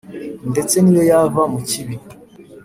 ndetse n’iyo yava mu kibi.»